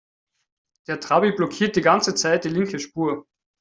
Der Trabi blockiert die ganze Zeit die linke Spur.